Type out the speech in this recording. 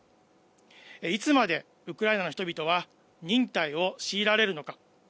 いつまでウクライナの人々は忍耐を強いられるのか。